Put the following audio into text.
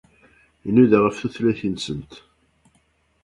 Inuda ɣef tutlayt-nsent.